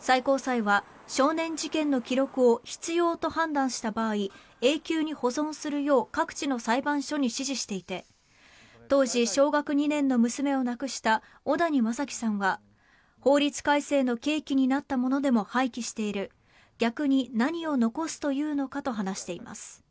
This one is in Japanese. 最高裁は少年事件の記録を必要と判断した場合永久に保存するよう各地の裁判所に指示していて当時小学２年の娘を亡くした小谷真樹さんは法律改正の契機になったものでも廃棄している逆に何を残すというのかと話しています。